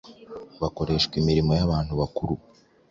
bakoreshwa imirimo y’abantu bakuru.